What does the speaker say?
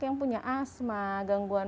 yang punya asma gangguan